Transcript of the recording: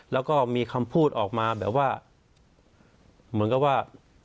แล้วก็มีคำพูดออกมาแบบว่าเหมือนกับว่า